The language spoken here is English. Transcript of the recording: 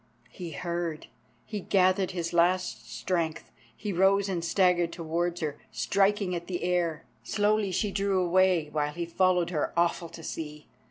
He heard. He gathered his last strength. He rose and staggered towards her, striking at the air. Slowly she drew away, while he followed her, awful to see.